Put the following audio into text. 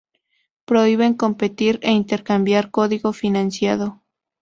Prohíben compartir e intercambiar código financiado